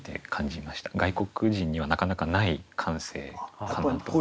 外国人にはなかなかない感性かなと。